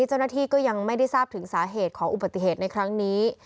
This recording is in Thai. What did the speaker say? เจ้าหน้าที่ก็ยังไม่ได้ทราบถึงสาเหตุของอุบัติเหตุในครั้งนี้